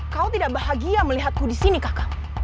kau tidak bahagia melihatku di sini kakak